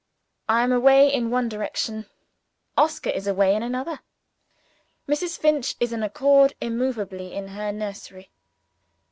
I am away in one direction. Oscar is away in another. Mrs. Finch is anchored immovably in her nursery.